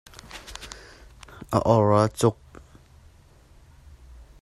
A or ah a cuk.